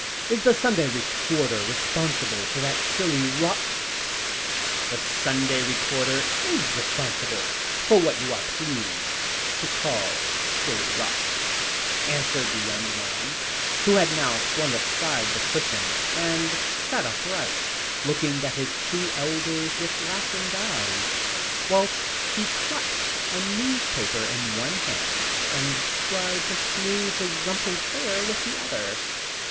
Is the Sunday Recorder responsible for that silly rot?" "The Sunday Recorder is responsible for what you are pleased to call silly rot," answered the young man, who had now flung aside the cushion, and sat upright, looking at his two elders with laughing eyes, whilst he clutched a newspaper in one hand, and tried to smooth his rumpled hair with the other.